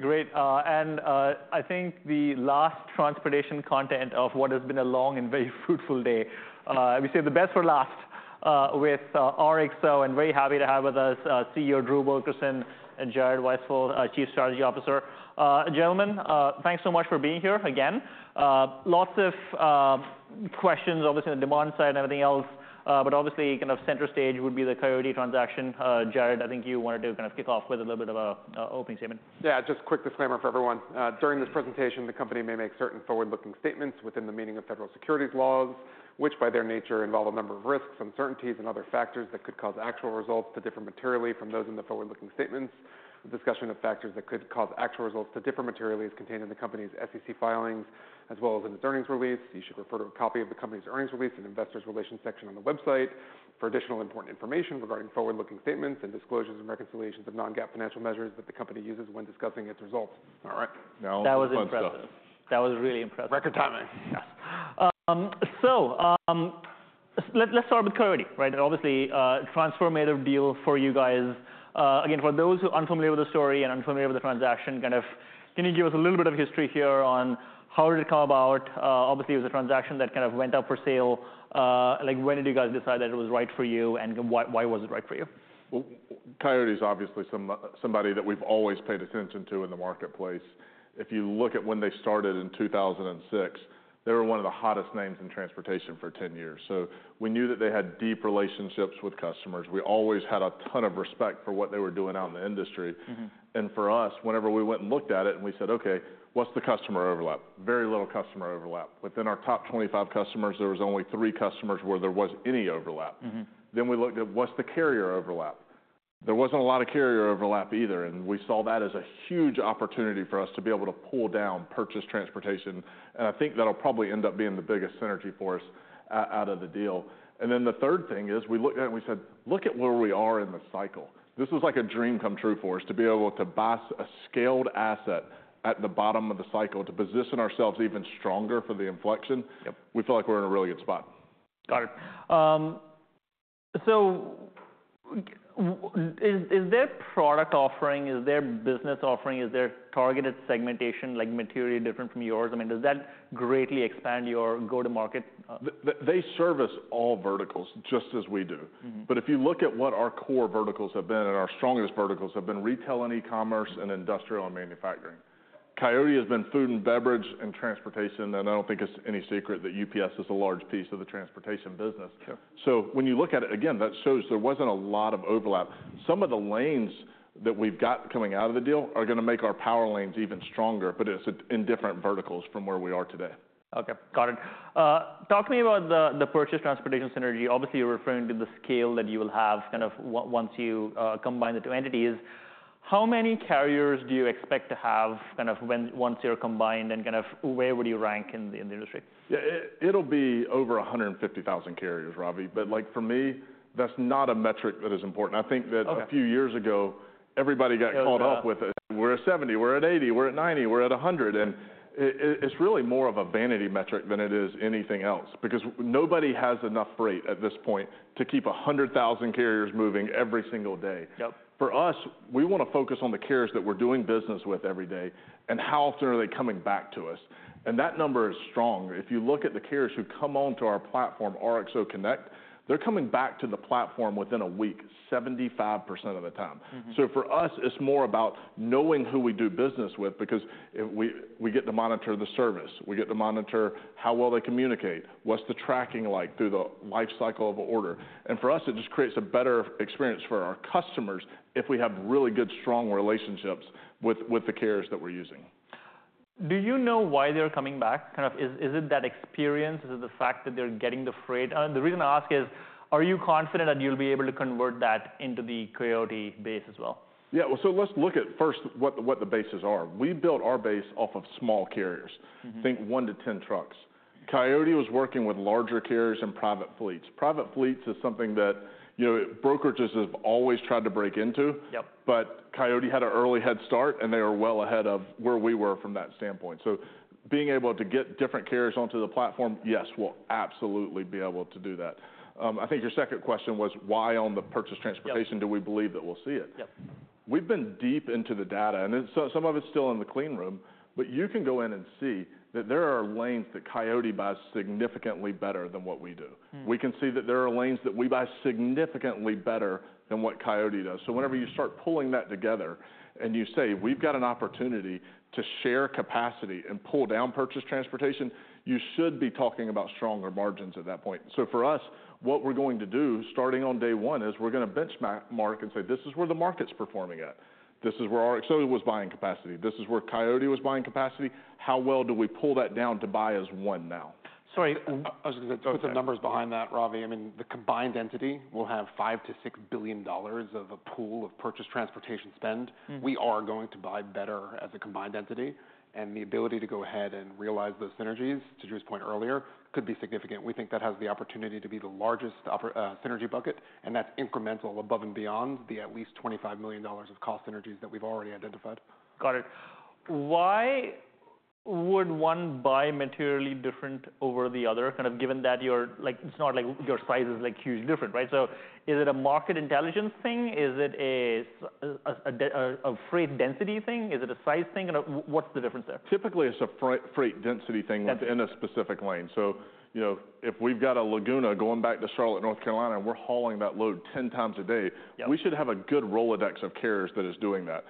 Great. And I think the last transportation content of what has been a long and very fruitful day. We saved the best for last, with RXO, and very happy to have with us, CEO Drew Wilkerson and Jared Weisfeld, our Chief Strategy Officer. Gentlemen, thanks so much for being here again. Lots of questions, obviously on the demand side and everything else, but obviously, kind of center stage would be the Coyote transaction. Jared, I think you wanted to kind of kick off with a little bit of a opening statement. Yeah, just quick disclaimer for everyone. During this presentation, the company may make certain forward-looking statements within the meaning of federal securities laws, which, by their nature, involve a number of risks, uncertainties, and other factors that could cause actual results to differ materially from those in the forward-looking statements. The discussion of factors that could cause actual results to differ materially is contained in the company's SEC filings, as well as in its earnings release. You should refer to a copy of the company's earnings release and investor relations section on the website for additional important information regarding forward-looking statements and disclosures and reconciliations of non-GAAP financial measures that the company uses when discussing its results. All right, now on to the fun stuff. That was really impressive. Record timing. Yes. So, let's start with Coyote, right? Obviously, a transformative deal for you guys. Again, for those who are unfamiliar with the story and unfamiliar with the transaction, kind of, can you give us a little bit of history here on how did it come about? Obviously, it was a transaction that kind of went up for sale. Like, when did you guys decide that it was right for you, and then why, why was it right for you? Coyote is obviously somebody that we've always paid attention to in the marketplace. If you look at when they started in 2006, they were one of the hottest names in transportation for 10 years. We knew that they had deep relationships with customers. We always had a ton of respect for what they were doing out in the industry. For us, whenever we went and looked at it and we said, "Okay, what's the customer overlap?" Very little customer overlap. Within our top twenty-five customers, there was only three customers where there was any overlap. We looked at what's the carrier overlap. There wasn't a lot of carrier overlap either, and we saw that as a huge opportunity for us to be able to pull down purchased transportation, and I think that'll probably end up being the biggest synergy for us out of the deal. The third thing is, we looked at it and we said, "Look at where we are in the cycle." This was like a dream come true for us, to be able to buy a scaled asset at the bottom of the cycle, to position ourselves even stronger for the inflection. Yep. We feel like we're in a really good spot. Got it. So is their product offering, is their business offering, is their targeted segmentation, like, materially different from yours? I mean, does that greatly expand your go-to-market? They service all verticals, just as we do But if you look at what our core verticals have been, and our strongest verticals, have been retail and e-commerce, and industrial and manufacturing. Coyote has been food and beverage and transportation, and I don't think it's any secret that UPS is a large piece of the transportation business. When you look at it, again, that shows there wasn't a lot of overlap. Some of the lanes that we've got coming out of the deal are gonna make our power lanes even stronger, but it's in different verticals from where we are today. Okay, got it. Talk to me about the purchased transportation synergy. Obviously, you're referring to the scale that you will have, kind of, once you combine the two entities. How many carriers do you expect to have, kind of, once you're combined, and kind of, where would you rank in the industry? Yeah, it'll be over 150,000 carriers, Ravi, but, like, for me, that's not a metric that is important. I think that a few years ago, everybody got caught up with it. We're at 70, we're at 80, we're at 90, we're at 100, and it, it's really more of a vanity metric than it is anything else, because nobody has enough freight at this point to keep 100,000 carriers moving every single day. Yep. For us, we wanna focus on the carriers that we're doing business with every day, and how often are they coming back to us? And that number is strong. If you look at the carriers who come onto our platform, RXO Connect, they're coming back to the platform within a week, 75% of the time. For us, it's more about knowing who we do business with because we get to monitor the service. We get to monitor how well they communicate, what's the tracking like through the life cycle of an order? For us, it just creates a better experience for our customers if we have really good, strong relationships with the carriers that we're using. Do you know why they're coming back? Kind of, is it that experience, is it the fact that they're getting the freight? And the reason I ask is, are you confident that you'll be able to convert that into the Coyote base as well? Yeah, well, so let's look at first what the bases are. We built our base off of small carriers. Think one to ten trucks. Coyote was working with larger carriers and private fleets. Private fleets is something that, you know, brokerages have always tried to break into. But Coyote had an early head start, and they are well ahead of where we were from that standpoint. So being able to get different carriers onto the platform, yes, we'll absolutely be able to do that. I think your second question was, why on the purchased transportation do we believe that we'll see it? Yep. We've been deep into the data, and so some of it's still in the clean room, but you can go in and see that there are lanes that Coyote buys significantly better than what we do. We can see that there are lanes that we buy significantly better than what Coyote does. So whenever you start pulling that together and you say, "We've got an opportunity to share capacity and pull down purchased transportation," you should be talking about stronger margins at that point. So for us, what we're going to do, starting on day one, is we're gonna benchmark and say, "This is where the market's performing at. This is where RXO was buying capacity. This is where Coyote was buying capacity. How well do we pull that down to buy as one now? Sorry, I was gonna put some numbers behind that, Ravi. I mean, the combined entity will have $5-$6 billion of a pool of purchased transportation spend. We are going to buy better as a combined entity, and the ability to go ahead and realize those synergies, to Drew's point earlier, could be significant. We think that has the opportunity to be the largest synergy bucket, and that's incremental, above and beyond the at least $25 million of cost synergies that we've already identified. Got it. Why would one buy materially different over the other? Kind of given that you're, like, it's not like your size is, like, hugely different, right? So is it a market intelligence thing? Is it a freight density thing? Is it a size thing? And, what's the difference there? Typically, it's a freight density thing within a specific lane. So, you know, if we've got a Laguna going back to Charlotte, North Carolina, and we're hauling that load ten times a day. Yeah We should have a good Rolodex of carriers that is doing that.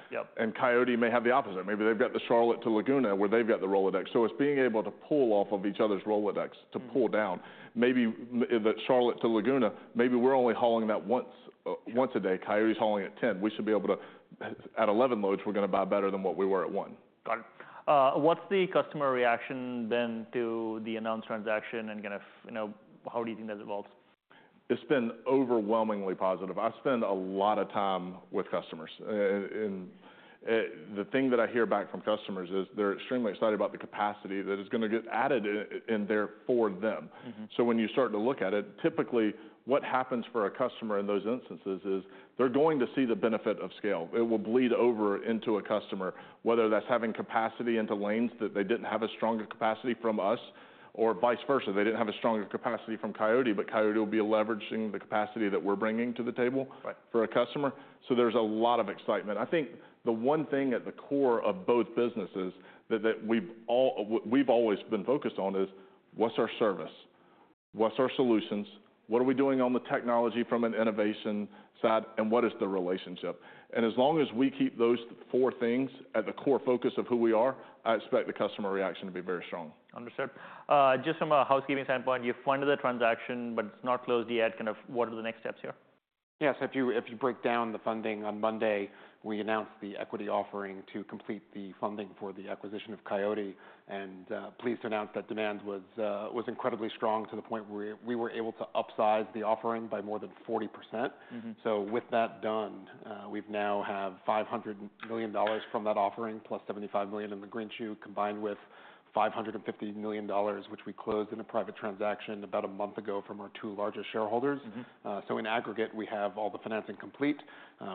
Coyote may have the opposite. Maybe they've got the Charlotte to Laguna, where they've got the Rolodex. It's being able to pull off of each other's Rolodex to pull down. Maybe the Charlotte to Laguna, maybe we're only hauling that once a day. Coyote is hauling it ten. We should be able to. At eleven loads, we're going to buy better than what we were at one. Got it. What's the customer reaction then to the announced transaction? And kind of, you know, how do you think that evolves? It's been overwhelmingly positive. I spend a lot of time with customers. The thing that I hear back from customers is, they're extremely excited about the capacity that is going to get added in, in there for them. So when you start to look at it, typically, what happens for a customer in those instances is, they're going to see the benefit of scale. It will bleed over into a customer, whether that's having capacity into lanes that they didn't have a stronger capacity from us, or vice versa, they didn't have a stronger capacity from Coyote, but Coyote will be leveraging the capacity that we're bringing to the table for a customer, so there's a lot of excitement. I think the one thing at the core of both businesses that we've all always been focused on is: What's our service? What's our solutions? What are we doing on the technology from an innovation side? And what is the relationship? And as long as we keep those four things as the core focus of who we are, I expect the customer reaction to be very strong. Understood. Just from a housekeeping standpoint, you funded the transaction, but it's not closed yet. Kind of what are the next steps here? Yes, if you break down the funding, on Monday, we announced the equity offering to complete the funding for the acquisition of Coyote. And pleased to announce that demand was incredibly strong, to the point where we were able to upsize the offering by more than 40%. So with that done, we've now have $500 million dollars from that offering, plus $75 million in the Greenshoe, combined with $550 million dollars, which we closed in a private transaction about a month ago from our two largest shareholders. So in aggregate, we have all the financing complete.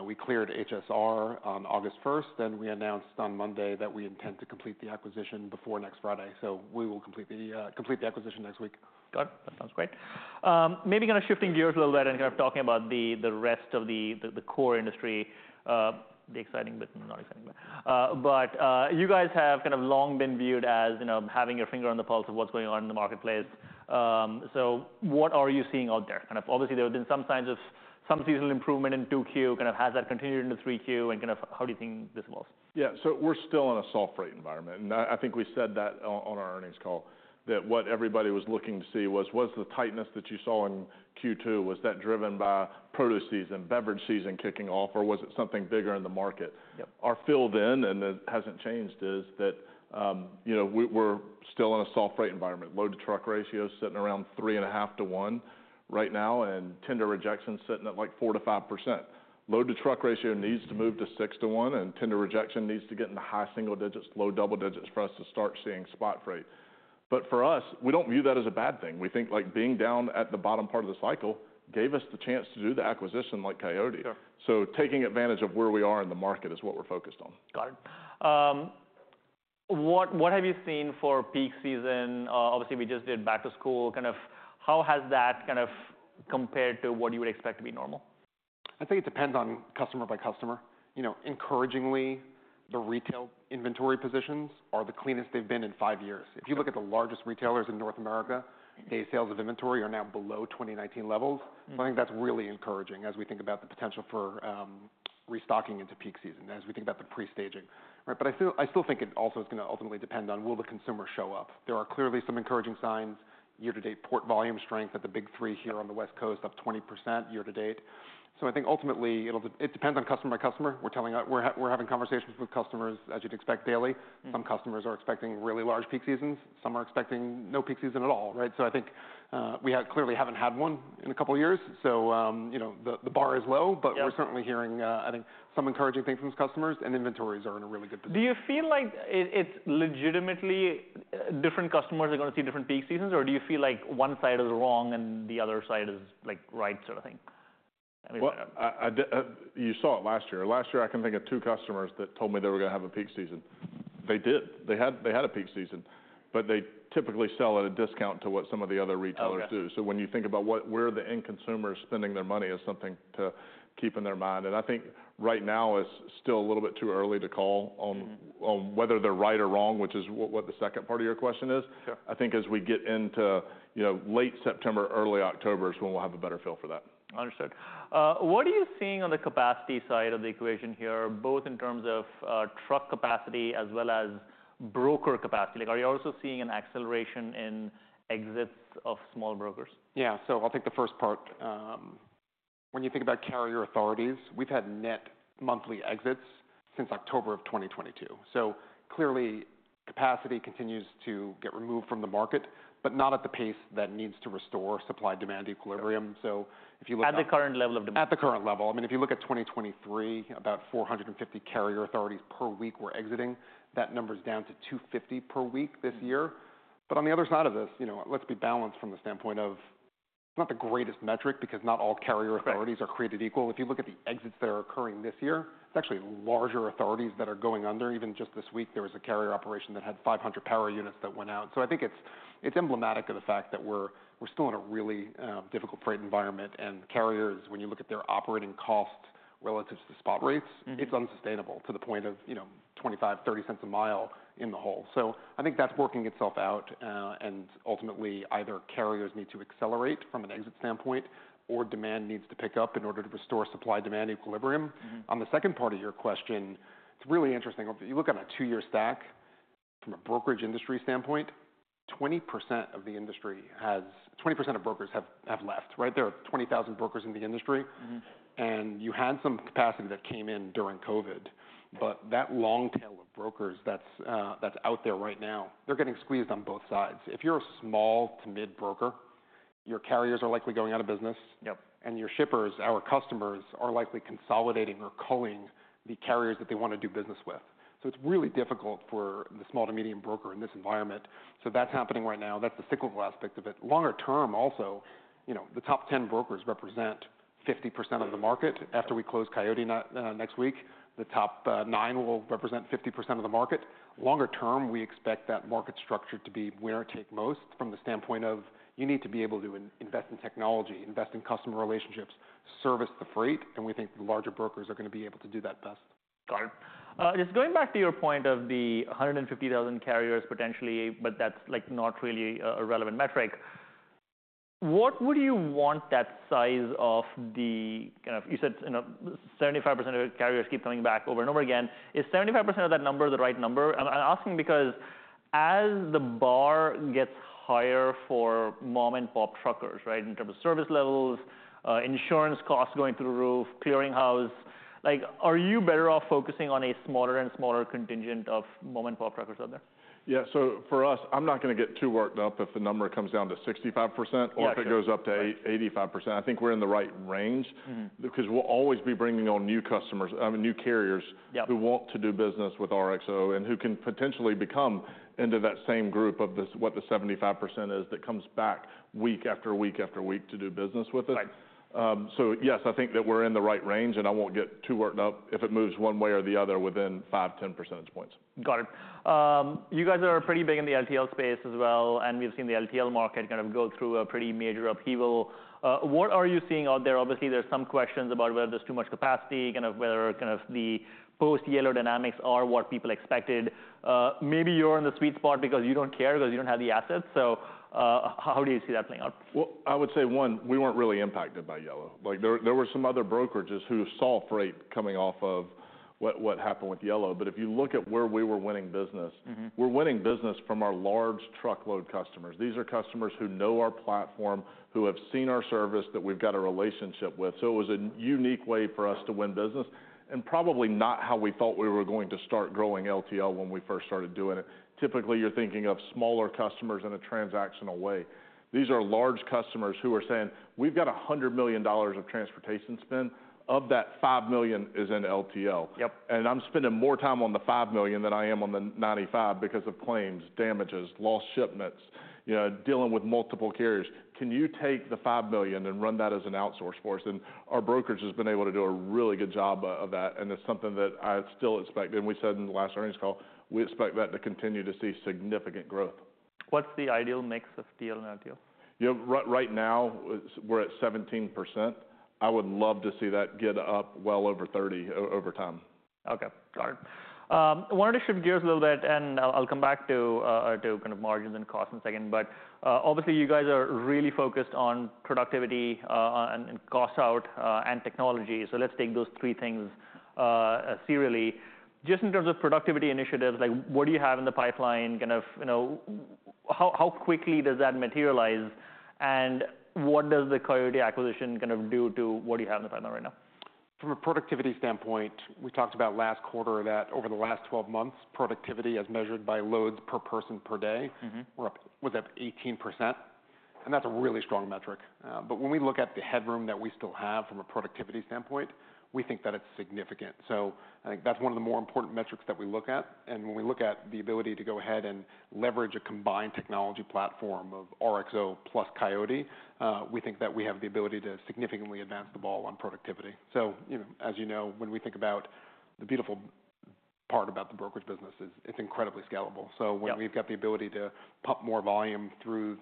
We cleared HSR on August 1st, then we announced on Monday that we intend to complete the acquisition before next Friday. So we will complete the acquisition next week. Got it. That sounds great. Maybe kind of shifting gears a little bit and kind of talking about the rest of the core industry. You guys have kind of long been viewed as, you know, having your finger on the pulse of what's going on in the marketplace. So what are you seeing out there? Kind of, obviously, there have been some signs of some seasonal improvement in 2Q. Kind of has that continued into 3Q, and kind of, how do you think this evolves? Yeah. So we're still in a soft freight environment, and I think we said that on our earnings call, that what everybody was looking to see was the tightness that you saw in Q2, was that driven by produce season, beverage season kicking off, or was it something bigger in the market? Our view then, and it hasn't changed, is that, you know, we're still in a soft freight environment. Load-to-truck ratio is sitting around three and a half to one right now, and tender rejection's sitting at, like, 4%-5%. Load-to-truck ratio needs to move to six to one, and tender rejection needs to get in the high single digits to low double digits for us to start seeing spot freight. But for us, we don't view that as a bad thing. We think, like, being down at the bottom part of the cycle gave us the chance to do the acquisition like Coyote. So taking advantage of where we are in the market is what we're focused on. Got it. What have you seen for peak season? Obviously, we just did back to school. Kind of, how has that kind of compared to what you would expect to be normal? I think it depends on customer by customer. You know, encouragingly, the retail inventory positions are the cleanest they've been in five years. If you look at the largest retailers in North America, their sales of inventory are now below 2019 levels. So I think that's really encouraging as we think about the potential for restocking into peak season, as we think about the pre-staging, right? But I still think it also is going to ultimately depend on will the consumer show up? There are clearly some encouraging signs, year-to-date port volume strength at the big three here on the West Coast, up 20% year-to-date. So I think ultimately it depends on customer by customer. We're having conversations with customers, as you'd expect, daily. Some customers are expecting really large peak seasons, some are expecting no peak season at all, right? So I think we clearly haven't had one in a couple of years, so you know, the bar is low. But we're certainly hearing, I think, some encouraging things from customers, and inventories are in a really good position. Do you feel like it, it's legitimately different customers are going to see different peak seasons, or do you feel like one side is wrong and the other side is, like, right, sort of thing? Well, you saw it last year. Last year, I can think of two customers that told me they were going to have a peak season. They did. They had a peak season, but they typically sell at a discount to what some of the other retailers do. Okay. When you think about what, where the end consumers are spending their money is something to keep in mind. I think right now it is still a little bit too early to call on whether they're right or wrong, which is what the second part of your question is. I think as we get into, you know, late September, early October, is when we'll have a better feel for that. Understood. What are you seeing on the capacity side of the equation here, both in terms of truck capacity as well as broker capacity? Like, are you also seeing an acceleration in exits of small brokers? Yeah. So I'll take the first part. When you think about carrier authorities, we've had net monthly exits since October of 2022. So clearly, capacity continues to get removed from the market, but not at the pace that needs to restore supply-demand equilibrium. Sure. So if you look at- At the current level of demand? At the current level. I mean, if you look at 2023, about 450 carrier authorities per week were exiting. That number is down to 250 per week this year. But on the other side of this, you know, let's be balanced from the standpoint of not the greatest metric because not all carrier authorities are created equal. If you look at the exits that are occurring this year, it's actually larger authorities that are going under. Even just this week, there was a carrier operation that had 500 power units that went out. So I think it's emblematic of the fact that we're still in a really difficult freight environment, and carriers, when you look at their operating costs relative to the spot rates, it's unsustainable to the point of, you know, $0.25-$0.30 a mile in the hole. So I think that's working itself out, and ultimately, either carriers need to accelerate from an exit standpoint, or demand needs to pick up in order to restore supply-demand equilibrium. On the second part of your question, it's really interesting. If you look at a two-year stack from a brokerage industry standpoint, 20% of brokers have left, right? There are 20,000 brokers in the industry. And you had some capacity that came in during COVID, but that long tail of brokers that's out there right now, they're getting squeezed on both sides. If you're a small to mid broker, your carriers are likely going out of business. Yep. And your shippers, our customers, are likely consolidating or culling the carriers that they want to do business with. So it's really difficult for the small to medium broker in this environment. So that's happening right now. That's the cyclical aspect of it. Longer term, also, you know, the top 10 brokers represent 50% of the market. After we close Coyote next week, the top 9 will represent 50% of the market. Longer term, we expect that market structure to be winner take most from the standpoint of you need to be able to invest in technology, invest in customer relationships, service the freight, and we think the larger brokers are going to be able to do that best. Got it. Just going back to your point of the hundred and fifty thousand carriers, potentially, but that's, like, not really a relevant metric. What would you want that size of the kind of? You said, you know, 75% of the carriers keep coming back over and over again. Is 75% of that number the right number? And I'm asking because as the bar gets higher for mom-and-pop truckers, right, in terms of service levels, insurance costs going through the roof, Clearinghouse, like, are you better off focusing on a smaller and smaller contingent of mom-and-pop truckers out there? Yeah, so for us, I'm not going to get too worked up if the number comes down to 65% or if it goes up to 85%. I think we're in the right range. Because we'll always be bringing on new customers, I mean, new carriers who want to do business with RXO and who can potentially become into that same group of this, what the 75% is, that comes back week after week after week to do business with us. Right. So yes, I think that we're in the right range, and I won't get too worked up if it moves one way or the other within 5-10 percentage points. Got it. You guys are pretty big in the LTL space as well, and we've seen the LTL market kind of go through a pretty major upheaval. What are you seeing out there? Obviously, there's some questions about whether there's too much capacity, kind of whether the post-Yellow dynamics are what people expected. Maybe you're in the sweet spot because you don't care because you don't have the assets. So, how do you see that playing out? I would say, one, we weren't really impacted by Yellow. Like, there were some other brokerages who saw freight coming off of what happened with Yellow. But if you look at where we were winning business. We're winning business from our large truckload customers. These are customers who know our platform, who have seen our service, that we've got a relationship with. So it was a unique way for us to win business, and probably not how we thought we were going to start growing LTL when we first started doing it. Typically, you're thinking of smaller customers in a transactional way. These are large customers who are saying, "We've got $100 million of transportation spend. Of that, $5 million is in LTL. Yep. I'm spending more time on the five million than I am on the ninety-five because of claims, damages, lost shipments, you know, dealing with multiple carriers. Can you take the five million and run that as an outsource for us?" Our brokerage has been able to do a really good job of that, and it's something that I still expect, and we said in the last earnings call, we expect that to continue to see significant growth. What's the ideal mix of deal in LTL? You know, right now, we're at 17%. I would love to see that get up well over 30% over time. Okay. Got it. I wanted to shift gears a little bit, and I'll come back to kind of margins and costs in a second. But obviously you guys are really focused on productivity, and cost out, and technology. So let's take those three things serially. Just in terms of productivity initiatives, like, what do you have in the pipeline? Kind of, you know, how quickly does that materialize, and what does the Coyote acquisition kind of do to what you have in the pipeline right now? From a productivity standpoint, we talked about last quarter that over the last twelve months, productivity, as measured by loads per person per day we're up, was up 18%, and that's a really strong metric. But when we look at the headroom that we still have from a productivity standpoint, we think that it's significant. So I think that's one of the more important metrics that we look at. And when we look at the ability to go ahead and leverage a combined technology platform of RXO plus Coyote, we think that we have the ability to significantly advance the ball on productivity. So, you know, as you know, when we think about the beautiful part about the brokerage business is, it's incredibly scalable. Yep. So when we've got the ability to pump more volume through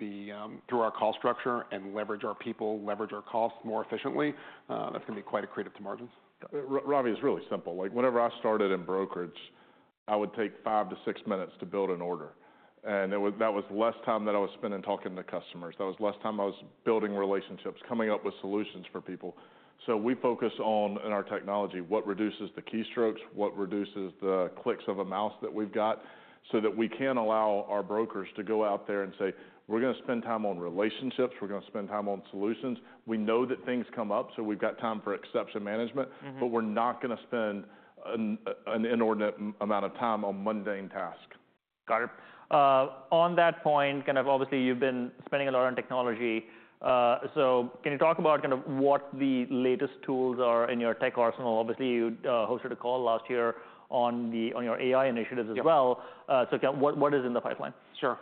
our call structure and leverage our people, leverage our costs more efficiently, that's going to be quite accretive to margins. Ravi, it's really simple. Like, whenever I started in brokerage, I would take five to six minutes to build an order, and that was less time that I was spending talking to customers. That was less time I was building relationships, coming up with solutions for people. So we focus on, in our technology, what reduces the keystrokes, what reduces the clicks of a mouse that we've got, so that we can allow our brokers to go out there and say: We're going to spend time on relationships. We're going to spend time on solutions. We know that things come up, so we've got time for exception management. But we're not going to spend an inordinate amount of time on mundane task. Got it. On that point, kind of obviously, you've been spending a lot on technology. So can you talk about kind of what the latest tools are in your tech arsenal? Obviously, you hosted a call last year on the, on your AI initiatives as well. Yep. So, what is in the pipeline? Sure.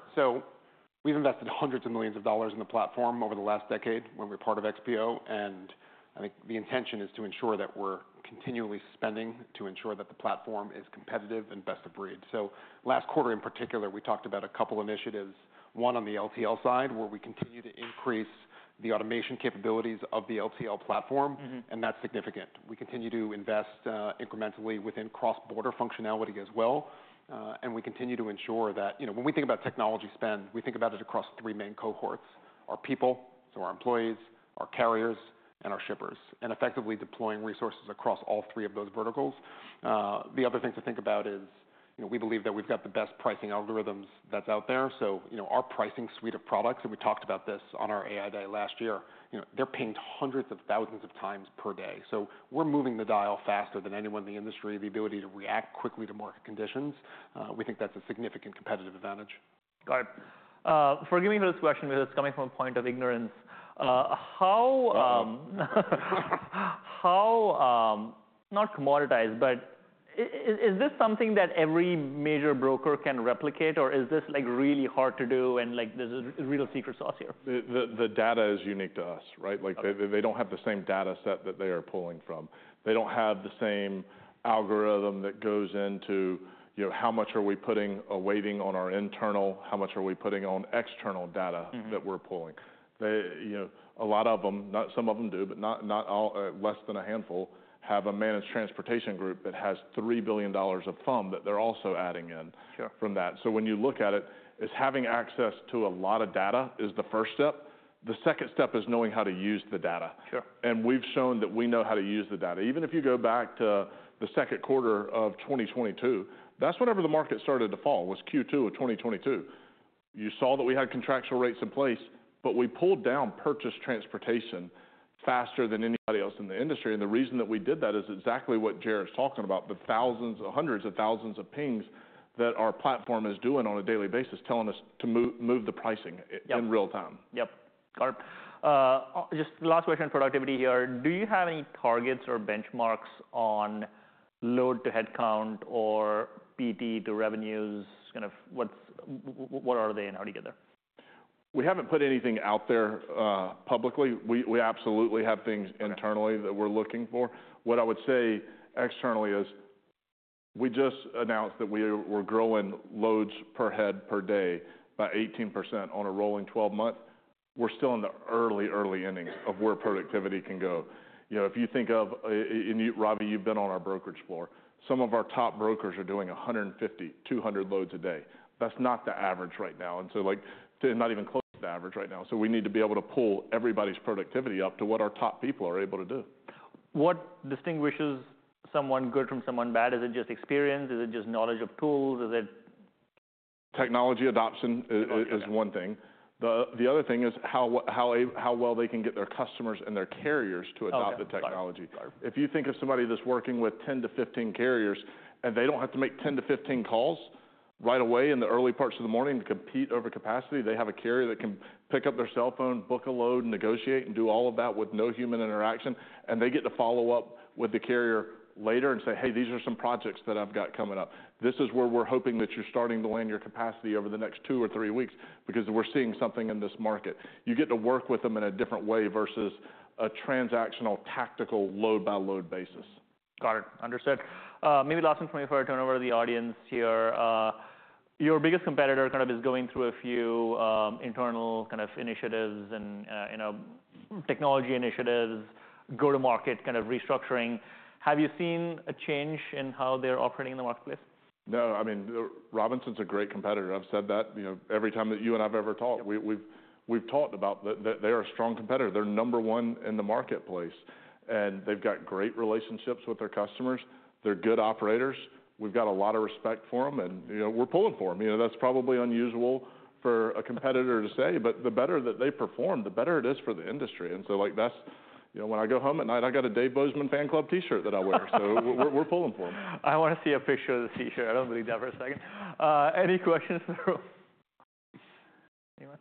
We've invested hundreds of millions of dollars in the platform over the last decade when we were part of XPO, and I think the intention is to ensure that we're continually spending to ensure that the platform is competitive and best of breed, so last quarter, in particular, we talked about a couple initiatives, one on the LTL side, where we continue to increase the automation capabilities of the LTL platform, and that's significant. We continue to invest incrementally within cross-border functionality as well, and we continue to ensure that. You know, when we think about technology spend, we think about it across three main cohorts: our people, so our employees, our carriers, and our shippers, and effectively deploying resources across all three of those verticals. The other thing to think about is, you know, we believe that we've got the best pricing algorithms that's out there. So, you know, our pricing suite of products, and we talked about this on our AI day last year, you know, they're pinged hundreds of thousands of times per day. So we're moving the dial faster than anyone in the industry, the ability to react quickly to market conditions. We think that's a significant competitive advantage. Got it. Forgive me for this question, but it's coming from a point of ignorance. How not commoditized, but is this something that every major broker can replicate, or is this, like, really hard to do, and, like, there's a real secret sauce here? The data is unique to us, right? Okay. Like, they don't have the same data set that they are pulling from. They don't have the same algorithm that goes into, you know, how much are we putting a weighting on our internal? How much are we putting on external data that we're pulling? They, you know, a lot of them, not, some of them do, but not, not all, less than a handful, have a managed transportation group that has $3 billion of spend that they're also adding in. Sure From that. So when you look at it, it's having access to a lot of data is the first step. The second step is knowing how to use the data. Sure. And we've shown that we know how to use the data. Even if you go back to the Q2 of 2022, that's whenever the market started to fall, was Q2 of 2022. You saw that we had contractual rates in place, but we pulled down purchased transportation faster than anybody else in the industry. And the reason that we did that is exactly what Jared's talking about, the thousands, hundreds of thousands of pings that our platform is doing on a daily basis, telling us to move the pricing in real time. Yep. Just last question on productivity here. Do you have any targets or benchmarks on load to headcount or PT to revenues? Kind of, what are they and how are you together? We haven't put anything out there publicly. We absolutely have things internally that we're looking for. What I would say externally is, we just announced that we were growing loads per head per day by 18% on a rolling twelve month. We're still in the early, early innings of where productivity can go. You know, if you think of, and you, Ravi, you've been on our brokerage floor. Some of our top brokers are doing 150, 200 loads a day. That's not the average right now, and so, like, they're not even close to average right now. So we need to be able to pull everybody's productivity up to what our top people are able to do. What distinguishes someone good from someone bad? Is it just experience? Is it just knowledge of tools? Technology adoption is one thing. The other thing is how well they can get their customers and their carriers to adopt the technology. Got it. If you think of somebody that's working with 10 to 15 carriers, and they don't have to make 10 to 15 calls right away in the early parts of the morning to compete over capacity, they have a carrier that can pick up their cell phone, book a load, negotiate, and do all of that with no human interaction, and they get to follow up with the carrier later and say, "Hey, these are some projects that I've got coming up. This is where we're hoping that you're starting to land your capacity over the next two or three weeks, because we're seeing something in this market." You get to work with them in a different way versus a transactional, tactical, load-by-load basis. Got it. Understood. Maybe last one for me before I turn over to the audience here. Your biggest competitor kind of is going through a few, internal kind of initiatives and, you know, technology initiatives, go-to-market, kind of restructuring. Have you seen a change in how they're operating in the marketplace? No. I mean, Robinson's a great competitor. I've said that, you know, every time that you and I've ever talked. Yep. We've talked about that, that they are a strong competitor. They're number one in the marketplace, and they've got great relationships with their customers. They're good operators. We've got a lot of respect for them, and, you know, we're pulling for them. You know, that's probably unusual for a competitor to say, but the better that they perform, the better it is for the industry. And so, like, that's... You know, when I go home at night, I got a Dave Bozeman fan club T-shirt that I wear. So we're pulling for them. I want to see a picture of the T-shirt. I don't believe that for a second. Any questions from anyone?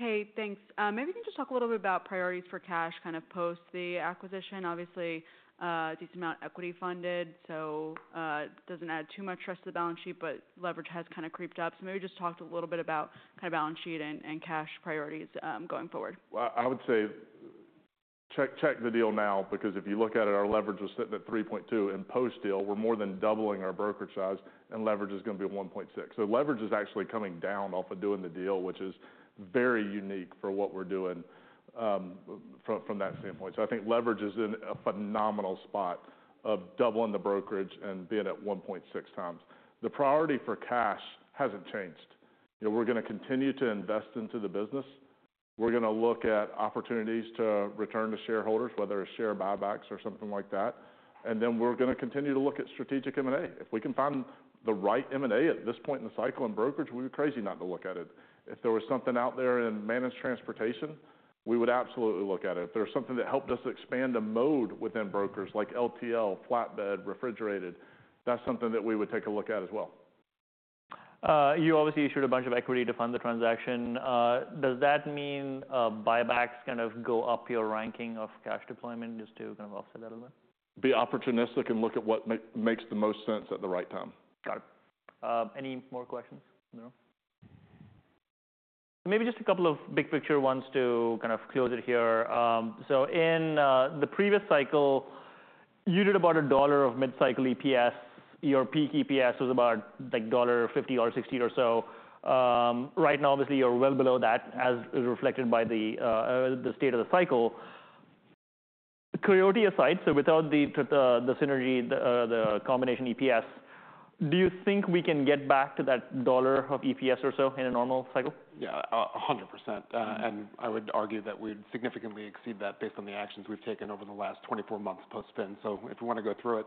Hey, thanks. Maybe you can just talk a little bit about priorities for cash, kind of post the acquisition. Obviously, decent amount equity funded, so it doesn't add too much risk to the balance sheet, but leverage has kind of crept up. So maybe just talk to a little bit about kind of balance sheet and cash priorities, going forward. I would say, check the deal now, because if you look at it, our leverage was sitting at 3.2, and post-deal, we're more than doubling our brokerage size, and leverage is going to be 1.6. So leverage is actually coming down off of doing the deal, which is very unique for what we're doing, from that standpoint. So I think leverage is in a phenomenal spot of doubling the brokerage and being at 1.6 times. The priority for cash hasn't changed. You know, we're going to continue to invest into the business. We're going to look at opportunities to return to shareholders, whether it's share buybacks or something like that. And then we're going to continue to look at strategic M&A. If we can find the right M&A at this point in the cycle and brokerage, we'd be crazy not to look at it. If there was something out there in managed transportation, we would absolutely look at it. If there was something that helped us expand a mode within brokers like LTL, flatbed, refrigerated, that's something that we would take a look at as well. You obviously issued a bunch of equity to fund the transaction. Does that mean buybacks kind of go up your ranking of cash deployment, just to kind of offset that a little bit? Be opportunistic and look at what makes the most sense at the right time. Got it. Any more questions? No. Maybe just a couple of big picture ones to kind of close it here. So in the previous cycle, you did about $1 of mid-cycle EPS. Your peak EPS was about, like, $1.50 or $1.60 or so. Right now, obviously, you're well below that, as is reflected by the state of the cycle. Coyote aside, so without the synergy, the combination EPS, do you think we can get back to that $1 of EPS or so in a normal cycle? Yeah, 100%. And I would argue that we'd significantly exceed that based on the actions we've taken over the last 24 months post-spin. So if you want to go through it,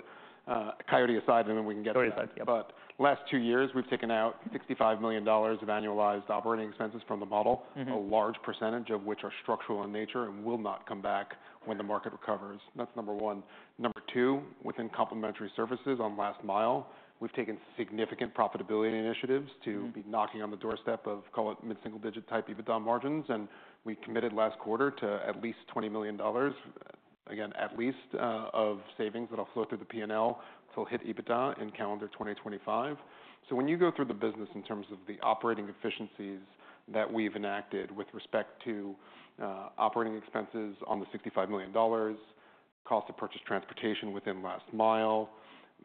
Coyote aside, and then we can get to that. Coyote aside, yeah. But last two years, we've taken out $65 million of annualized operating expenses from the model. A large percentage of which are structural in nature and will not come back when the market recovers. That's number one. Number two, within complementary services on last mile, we've taken significant profitability initiatives to be knocking on the doorstep of, call it, mid-single-digit type EBITDA margins, and we committed last quarter to at least $20 million, again, at least, of savings that'll flow through the P&L, so we'll hit EBITDA in calendar 2025. So when you go through the business in terms of the operating efficiencies that we've enacted with respect to, operating expenses on the $65 million, cost of purchased transportation within last mile,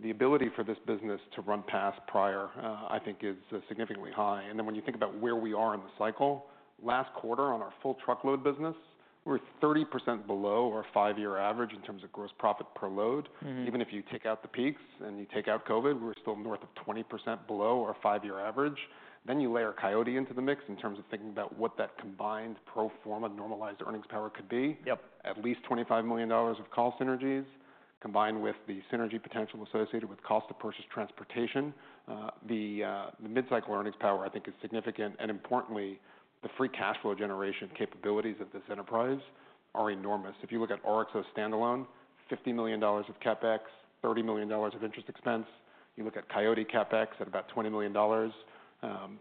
the ability for this business to run past prior, I think is, significantly high. And then when you think about where we are in the cycle, last quarter, on our full truckload business, we're 30% below our five-year average in terms of gross profit per load. Even if you take out the peaks and you take out COVID, we're still north of 20% below our five-year average. Then you layer Coyote into the mix in terms of thinking about what that combined pro forma normalized earnings power could be. Yep. At least $25 million of core synergies, combined with the synergy potential associated with cost of purchased transportation. The mid-cycle earnings power, I think, is significant, and importantly, the free cash flow generation capabilities of this enterprise are enormous. If you look at RXO standalone, $50 million of CapEx, $30 million of interest expense. You look at Coyote CapEx at about $20 million,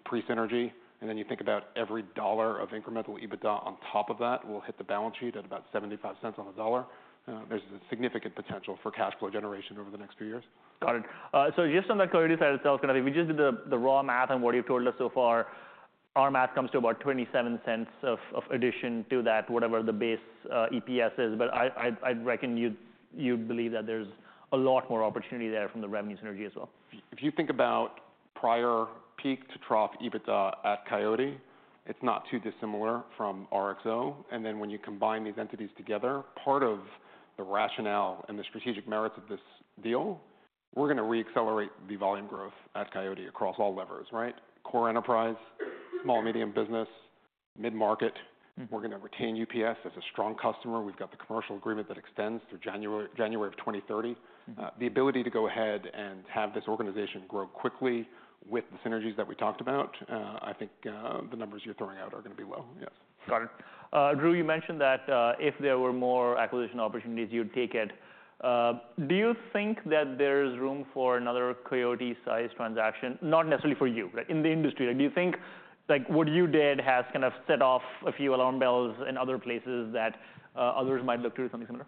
pre-synergy, and then you think about every dollar of incremental EBITDA on top of that will hit the balance sheet at about $0.75 on the dollar. There's a significant potential for cash flow generation over the next few years. Got it. So just on the Coyote side itself, kind of if we just did the raw math on what you've told us so far, our math comes to about $0.27 of addition to that, whatever the base EPS is, but I'd reckon you'd believe that there's a lot more opportunity there from the revenue synergy as well. If you think about prior peak to trough EBITDA at Coyote, it's not too dissimilar from RXO, and then when you combine these entities together, part of the rationale and the strategic merits of this deal, we're going to re-accelerate the volume growth at Coyote across all levers, right? Core enterprise, small-medium business, mid-market. We're going to retain UPS as a strong customer. We've got the commercial agreement that extends through January of 2030. The ability to go ahead and have this organization grow quickly with the synergies that we talked about, I think, the numbers you're throwing out are going to be low, yes. Got it. Drew, you mentioned that, if there were more acquisition opportunities, you'd take it. Do you think that there's room for another Coyote-sized transaction? Not necessarily for you, but in the industry. Do you think, like, what you did has kind of set off a few alarm bells in other places that, others might look to do something similar?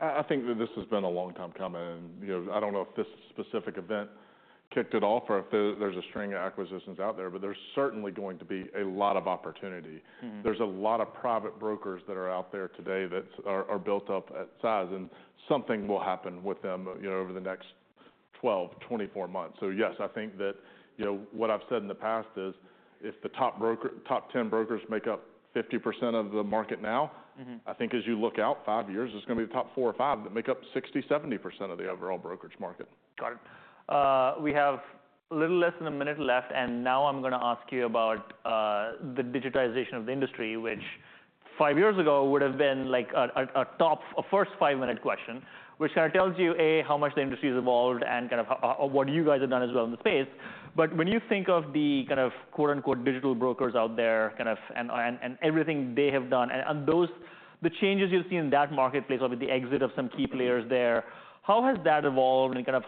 I think that this has been a long time coming, and, you know, I don't know if this specific event kicked it off or if there's a string of acquisitions out there, but there's certainly going to be a lot of opportunity. There's a lot of private brokers that are out there today that are built up at size, and something will happen with them, you know, over the next 12-24 months. So yes, I think that, you know, what I've said in the past is, if the top 10 brokers make up 50% of the market now. I think as you look out five years, it's going to be the top four or five that make up 60%-70% of the overall brokerage market. Got it. We have a little less than a minute left, and now I'm going to ask you about the digitization of the industry, which five years ago would have been, like, a top, a first five-minute question, which kind of tells you, A, how much the industry has evolved and kind of what you guys have done as well in the space. But when you think of the kind of quote, unquote, "digital brokers" out there, kind of, and everything they have done and those, the changes you've seen in that marketplace or with the exit of some key players there, how has that evolved, and kind of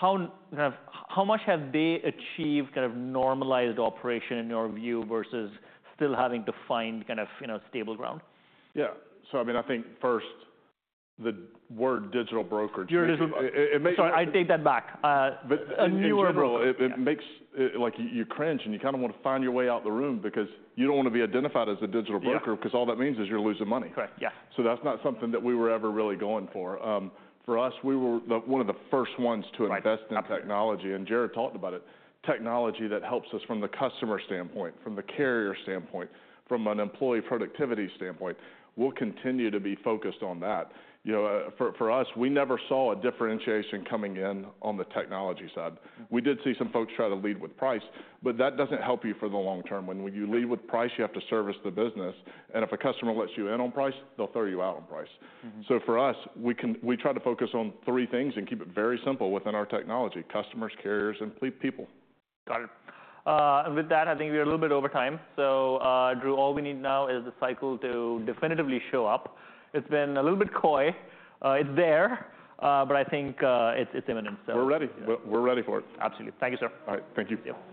how much have they achieved kind of normalized operation, in your view, versus still having to find kind of, you know, stable ground? Yeah. So I mean, I think first, the word digital brokerage. Sorry, I take that back. A newer broker. In general, it makes, like, you cringe, and you kind of want to find your way out the room because you don't want to be identified as a digital broker because all that means is you're losing money. Correct. Yeah. That's not something that we were ever really going for. For us, we were the, one of the first ones to invest in technology, and Jared talked about it. Technology that helps us from the customer standpoint, from the carrier standpoint, from an employee productivity standpoint. We'll continue to be focused on that. You know, for us, we never saw a differentiation coming in on the technology side. We did see some folks try to lead with price, but that doesn't help you for the long term. When you lead with price, you have to service the business, and if a customer lets you in on price, they'll throw you out on price. For us, we try to focus on three things and keep it very simple within our technology: customers, carriers, and people. Got it. With that, I think we are a little bit over time. So, Drew, all we need now is the cycle to definitively show up. It's been a little bit coy. It's there, but I think it's imminent, so. We're ready. We're ready for it. Absolutely. Thank you, sir. All right. Thank you.